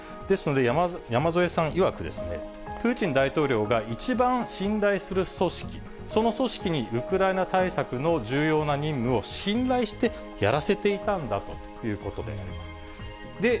ですので、山添さんいわく、プーチン大統領が一番信頼する組織、その組織にウクライナ対策の重要な任務を信頼してやらせていたんだということであります。